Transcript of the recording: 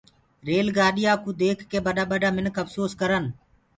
ريل گآڏيآ ڪوُ ديک ڪي ٻڏآ مِنک اڦسوس ڪرن۔